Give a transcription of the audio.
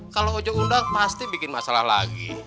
kalau ojek undang pasti bikin masalah lagi